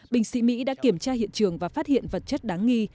binh sĩ mỹ đã kiểm tra hiện trường và phát hiện vật chất đáng nghi